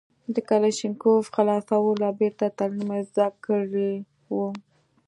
د کلاشينکوف خلاصول او بېرته تړل مې زده کړي وو.